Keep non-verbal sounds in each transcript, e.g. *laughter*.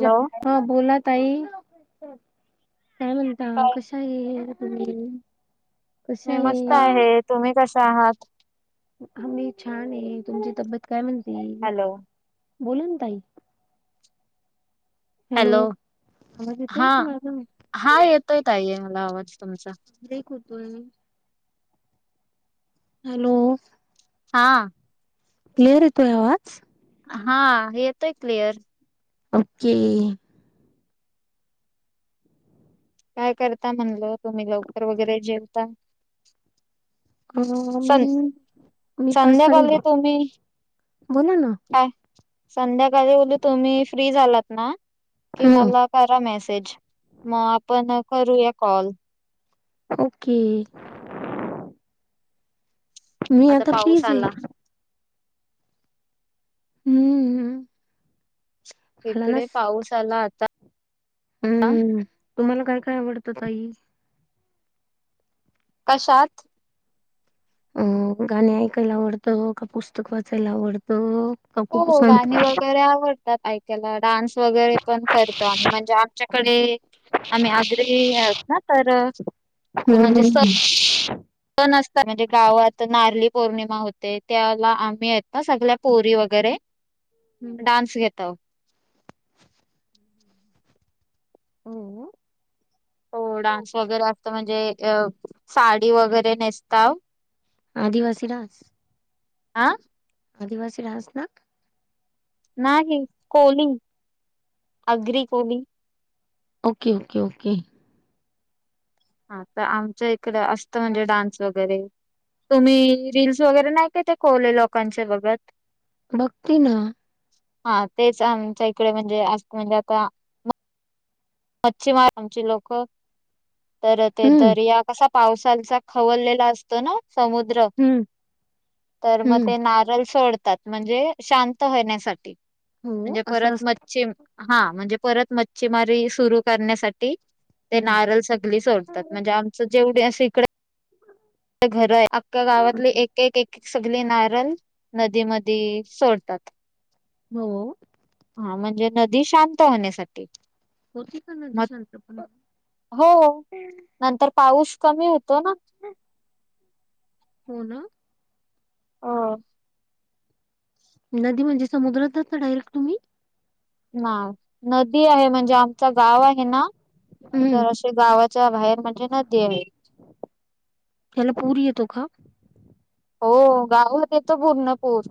Hello हा बोला ताई, काय म्हणता काय कशी आहे तुम्ही? मी मस्त आहे, तुम्ही कश्या आहात? आम्ही छान आहे, तुमची तब्येत काय म्हणती? हॅलो बोला ना ताई, हॅलो आवाज येतोय हा, का माझा हा येतोय ताई मला आवाज तुमचा. ब्रेक होतोय. हॅलो हा क्लिअर येतोय आवाज? हा येतोय क्लिअर. ओके काय करता म्हणलं, तुम्ही लवकर वगैरे जेवता अ मी, सं मी पाच -सहा *inaudible* संध्याकाळी हो तुम्ही बोला ना काय संध्याकाळी बोललो तुम्ही फ्री झालात ना, ह की मला करा मॅसेज, म आपण करूया कॉल. ओके. मी आता फ्री पाऊस च ये. आला हम्म ह इकडे पाऊस आला आता. हम्म, तुम्हाला काय काय आवडतं ताई? कशात? अ गाणी ऐकायला आवडतं का, पुस्तक वाचायला आवडत? हो हो गाणी वगैरे आवडतात ऐकायला, डान्स वगैरे पण करतो आम्ही म्हणजे आमच्याकडे आम्ही आगरी आहोत ना तर अ हम्म *inaudible* त नसतात म्हणजे गावात नारली पौर्णिमा होते त्याला आम्ही आहेत ना सगल्या पोरी वगैरे डान्स घेताव. हो हो डान्स वगैरे असत म्हणजे, अ साडी वगैरे नेसताव आदिवासी डान्स आं आदिवासी डान्स ना? नाही कोली, आगरी-कोली ओके ओके ओके हा तर आमच्या इकड असतं म्हणजे डान्स वगैरे. तुम्ही रीलस वगैरे नाही काय त्या कोली लोकांच्या बघत? बघती ना हा तेच, आमच्या इकडे म्हणजे अस म्हणजे आता मच्छीमार आमची लोकं तर ते हम्म दर्या कसा पावसाचा खवललेला अस तोना समुद्र हम्म तर मग हम्म ते नारल सोडतात. म्हणजे शांत होण्यासाठी, हो म्हणजे असं परत असत मच्छीम हा म्हणजे परत मच्छीमारी सुरू करण्यासाठी ते हम्म नारल सगळी सोडतात. म्हणजे आमचं जेवढे असं इडे घर आहे अख्या गावातली एक एक सगळी नारल नदीमधी सोडतात. म हो हा म्हणजे नदी शांत होण्यासा होती का नदी शांत पण? हो नंतर पाऊस कमी होतो ना. *unintelligible* हो न हो नदी म्हणजे समुद्रात जाता डायरेक्ट तुम्ही? नाय नदी आहे म्हणजे आमचा गाव आहे ना हम्म तर अश गावाच्या बाहेर म्हणजे नदी आहे. त्याला पूर येतो का? हो, गावात येतो पूर्ण पूर.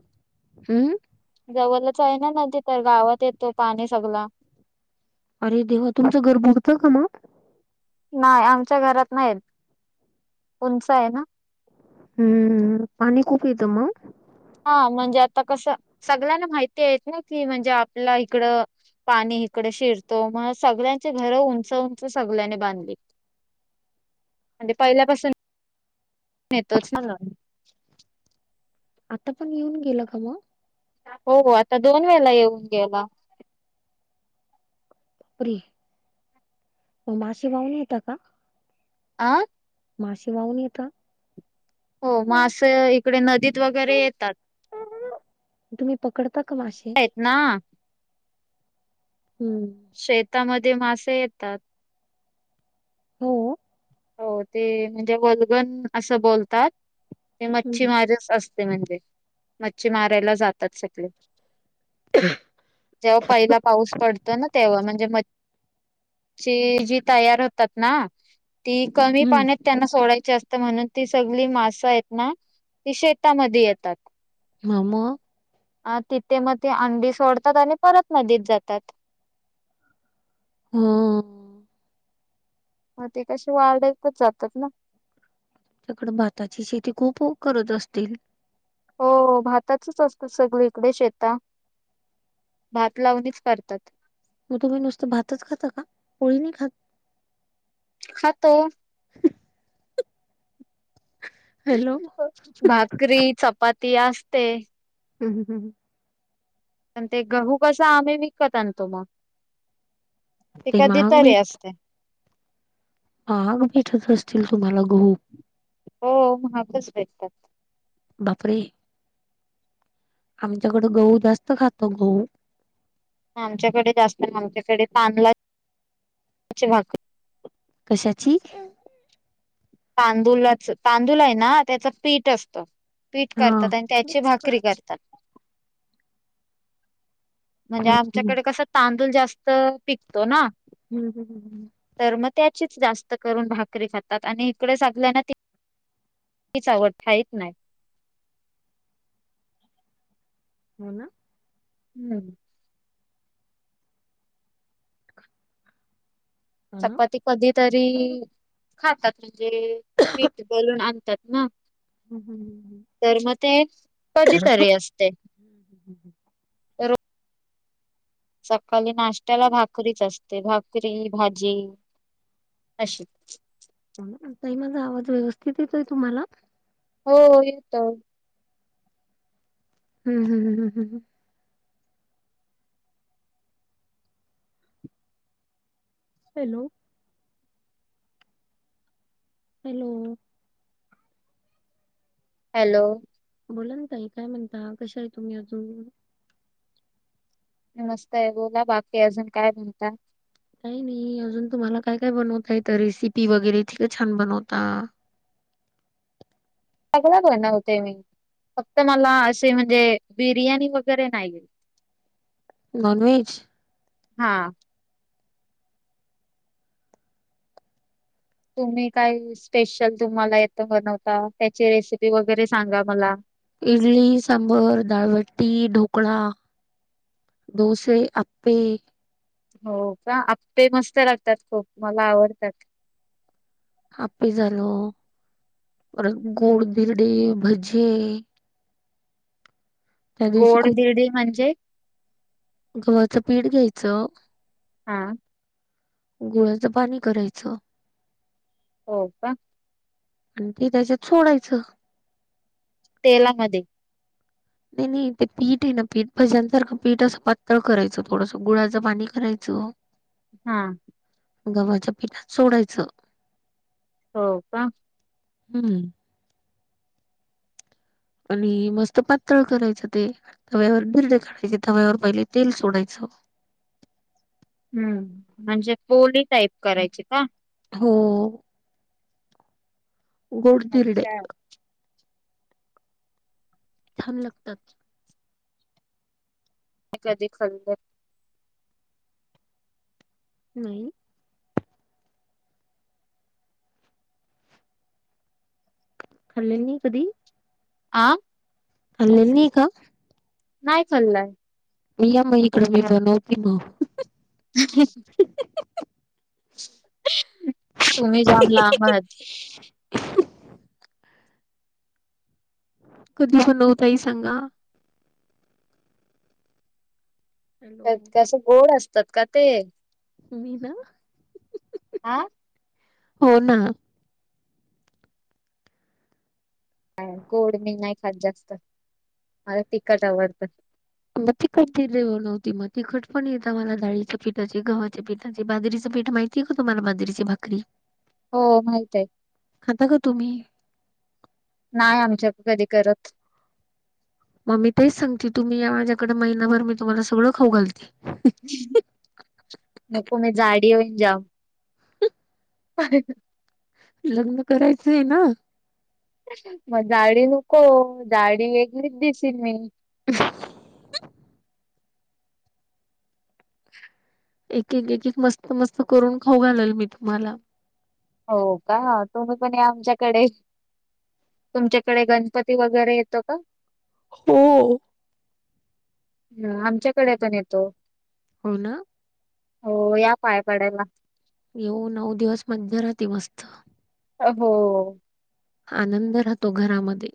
हम्म जवळच आहे ना नदी, तर गावात येतो पाणी सगळा. अरे देवा! तुमचं घर बुडतं का मग? नाही आमच्या घरात नाही येत, उंच आहे ना. हम्म, पाणी खूप येतं मग? हा, म्हणजे आता कसं, सगळ्यांना माहिती आहेत ना की म्हणजे आपला इकडं पाणी इकडे शिरतो, मग सगळ्यांची घर उंच उंच सगळ्यांनी बांधली. आणि ते पहिल्यापासून नेतोच न ल आता पण येऊन गेलं का मग? हो हो, आता दोन वेळेला येऊन गेला. परे! म मासे वाहून येता का? आ माशे वाहून येता? हो, मास इकडे नदीत वगैरे येतात. तुम्ही पकडता का माशे? हेत ना हम्म शेतामध्ये मासे येतात. हो हो ते म्हणजे वल्गन असं बोलतात ते हम्म मच्छीमारिच अस ते म्हणजे मच्छी मारायला जात तात सगले, जेव्हा पहिला पाऊस पडतो ना तेव्हा म्हणजे म च्छी जी तयार होतात ना, ती कमी हम्म पाण्यात त्यांना सोडायची असते म्हणून ती सगळी मासं आहेत ना ती शेतामध्ये येतात. मम अ तिथे मग ते अंडी सोडतात आणि परत नदीत जातात. ह्म्म्म मग ते कशी वाढाईतच जातात ना. तिकड भाताची शेती खूप.. प करत असतील. हो.. भातचच असतं सगळ इकडे शेता भात लावणीच करतात. मग तुम्ही नुसतं भातच खाता का? पोळी नाही खात? खातो. हॅलो भाकरी, चपाती असते. हम्. हम.. हम् पण ते गहू कस आम्ही विकत आण तो मग.. ते कधी तरी अस हा.. भेटत असतील तुम्हाला गहू हो.. महागच भेटतात. बापरे! आमच्याकडं गहू जास्त खातो गहू आमच्याकडे जास्त.. आमच्याकडे पानला ची भाक कशाची? तांदूलच, तांदूल आहे ना त्याचं पीठ असतं. पीठ हा करतात आणि त्याची भाकरी करतात. म्हणजे हम्म आमच्याकड कसं तांदूळ जास्त.. पिकतो ना. हम्.. हम्म.. ह.. तर मग त्याचीच जास्त करून भाकरी खातात आणि इकडे सागवानातील *inaudible* तीच आवडते थाळीत नाही. हो.. ना हम्म हो ना चपाती कधी तरी हम्म खातात म्हणजे... पीठ दळून आणतात ना. हम्.. हम्.. ह... तर मग ते.. कधी तरी असतय. हम्.... ह रो सकाळी नाश्त्याला भाकरीच असते, भाकरी -भाजी अशी तई माझा आवाज व्यवस्थित येतोय तुम्हाला? हो.. येतो. हम्... हम्म... हम्.... हॅलो! हॅलो! हॅलो! बोलाना तई, काय म्हणता कशा आहे तुम्ही अजून? मी मस्तय.. बोला बाकी अजून काय बोलताा. काही नाही अजून तुम्हाला काय -काय बनवतायेत रेसिपी वगैरे इतक छान बनवता. सगळ बनवते मी, फक्त मला असे म्हणजे बिर्याणी वगैरे नाहीत. नॉन वेज हा तुम्ही काय स्पेशल तुम्हाला येतं बनवता त्याची रेसिपी वगैरे सांगा मला इडली सांबर दाळबट्टी ढोकळा दोसे आप्पे हो का, आपे मस्त लागतात खूप मला आवडतात. आप्पे झालं, परत गोड धिरडे भजे त्या दिवशी गोड खूप धिरडे म्हणजे गव्हाचं पीठ घ्यायचं हा गुळा्याचं पाणी करायचं होका. आणि ते त्याच्यात सोडायचं. तेलामध्ये नाही नाही ते पीठ आहे ना पीठ भज्यांसारखं पीठ असं पातळ करायचं,, थोडसं गुळाचं पाणी कराय च. हा. गव्हाच्या पीठात सोडायचं. हो का. हम्म. आणि मस्त पातळ करायचं ते. तव्यावर बिर्डे काढायचे, तव्यावर पहिले तेल सोडायचं हम्म,, म्हणजे पोळी टाईप करायची का? हो. गोड धिरडे. अच्छा. छांन लागतात. मी कधी खाल्ले नाही. खाल्ले नाही कधी? आं खाल्लेला नाही का? नाही खाल्लाय. या मग इकडं मी बनवती मग ह ह *unintelligible* तुम्ही जाम लांब आहात. कधी बनवु ताई सांगा? हॅलो कस कसं गोड असतात का ते? तुम्ही ना *unintelligible* आा हो ना. का गोड मी नाही खात जास्त,, मला तिखट आवडतं. मग तिखट धिरडे बनवते, मग तिखट पण येता मला, डाळीच्या पीठाचे गव्हावा पीठाचे बाजरीचे पीठ माहित ती का तुम्हाला बाजरीची भाकरी? हो माहित आय. खाता का तुम्ही? नाय आमच्यात कधी करत. मग मी तेच सांगते. तुम्ही या माझ्याकडं महिनाभर. मी तुम्हाला सगळं खाऊ घालते. नको मी जाडी होईन जाम. *unintelligible* लग्न करायचंय ना? मग जाडी नको, जाडी वेगळीच दिशील मी. *unintelligible* एक, एक, एक. मस्त - मस्त करून खाऊ घालेल, मी तुम्हाला. हो, का? तुम्ही पण या आमच्याकडे. तुमच्याकडे, गणपती वगैरे येतो का? हो. ह. आमच्याकडे पण येतो. हो, ना. हो. या पाया पडायला. येऊ. नऊ दिवस, मज्जा राहती मस्त. अ, हो. आनंद राहतो, घरामध्ये.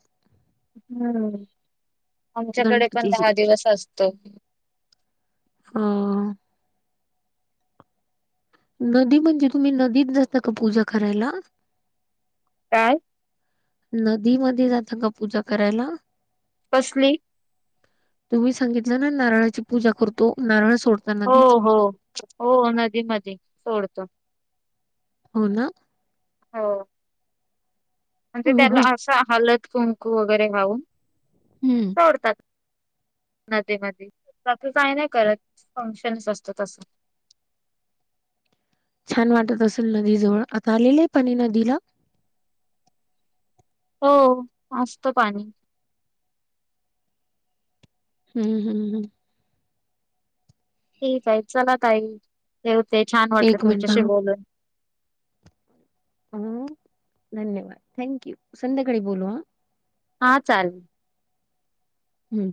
हम्म. आमच्याकडे पण गणपतीचे दहा दिवस असतो. हो. नदी म्हणजे, तुम्ही नदीत जता का, पूजा करायला? काय? नदीमध्ये जातं का, पूजा करायला? कसली? तुम्ही सांगितलं ना, नारळाची पूजा करतो. नारळ सोडतो हो. हो. नदीमध्ये सोडतो. हो, ना. हो. म्हणजे हो त्याला हो. असा, हलत - कुंकू वगैरे लावून हम्म. सोडतात. नदीमध्ये, बाकी काही नाही करत फंक्शनस असत तसं. छान वाटत असेल नदी जवळ, आता आलेलेय पाणी नदीला? हो. अस्त पाणी. हम्म, हम्म, हम्. ठीकय, चला ताई ठेवते. छान वाटलं एक मिनिट तुमच्याशी बोलून. ह. धन्यवाद. थँक्यू. संध्याकाळी बोलू, हा. हा, चालेल. हम्म.